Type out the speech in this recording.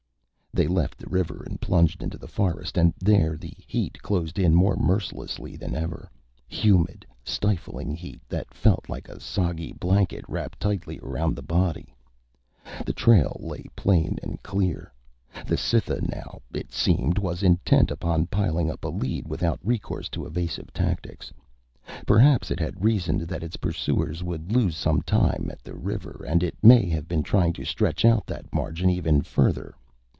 They left the river and plunged into the forest and there the heat closed in more mercilessly than ever humid, stifling heat that felt like a soggy blanket wrapped tightly round the body. The trail lay plain and clear. The Cytha now, it seemed, was intent upon piling up a lead without recourse to evasive tactics. Perhaps it had reasoned that its pursuers would lose some time at the river and it may have been trying to stretch out that margin even further.